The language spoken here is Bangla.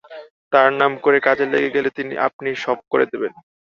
তাঁর নাম করে কাজে লেগে গেলে তিনি আপনিই সব করে নেবেন।